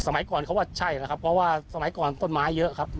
ไม่ใช่แล้วครับเพราะว่าสมัยก่อนต้นไม้เยอะครับ